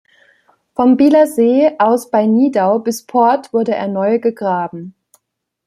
Vom Bielersee aus bei Nidau bis Port wurde er neu gegraben.